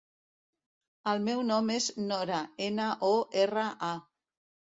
El meu nom és Nora: ena, o, erra, a.